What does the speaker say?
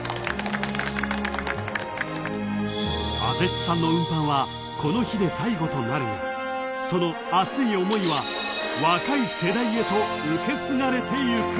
［畦地さんの運搬はこの日で最後となるがその熱い思いは若い世代へと受け継がれていく］